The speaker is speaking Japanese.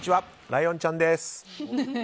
ライオンちゃんです。